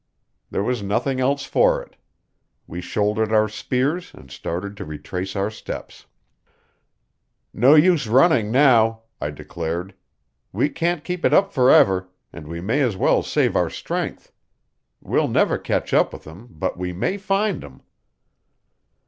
There was nothing else for it. We shouldered our spears and started to retrace our steps. "No use running now," I declared. "We can't keep it up forever, and we may as well save our strength. We'll never catch up with 'em, but we may find 'em."